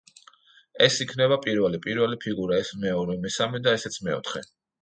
ეს იქნება პირველი, პირველი ფიგურა, ეს მეორე, მესამე და ესეც მეოთხე.